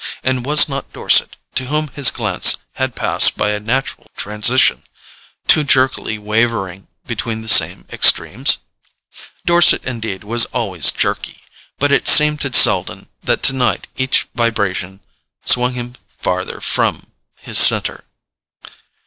And was not Dorset, to whom his glance had passed by a natural transition, too jerkily wavering between the same extremes? Dorset indeed was always jerky; but it seemed to Selden that tonight each vibration swung him farther from his centre.